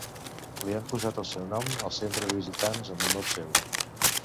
Li han posat el seu nom al centre de visitants en honor seu.